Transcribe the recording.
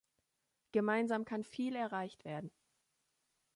Gemeinsam kann viel erreicht werden.